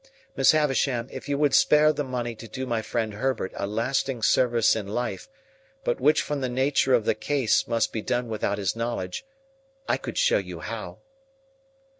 Miss Havisham, if you would spare the money to do my friend Herbert a lasting service in life, but which from the nature of the case must be done without his knowledge, I could show you how."